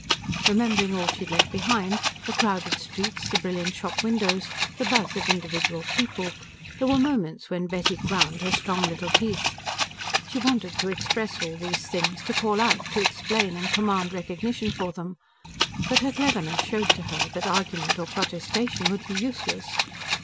Remembering all she had left behind, the crowded streets, the brilliant shop windows, the buzz of individual people, there were moments when Betty ground her strong little teeth. She wanted to express all these things, to call out, to explain, and command recognition for them. But her cleverness showed to her that argument or protestation would be useless.